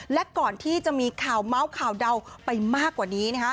และก่อนที่จะมีข่าวเมาส์ข่าวเดาไปมากกว่านี้